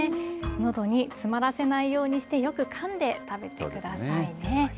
のどに詰まらせないようにして、よくかんで食べてくださいね。